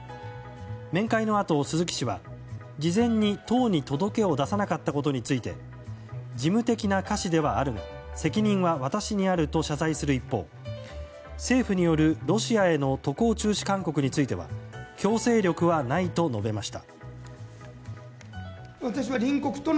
面会のあと、鈴木氏は事前に党に届けを出さなかったことについて事務的な瑕疵ではあるが責任は私にあると謝罪する一方、政府によるロシアへの渡航中止勧告については強制力はないと述べました。